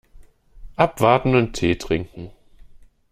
Abwarten und Tee trinken.